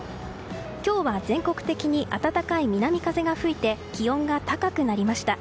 今日は全国的に暖かい南風が吹いて気温が高くなりました。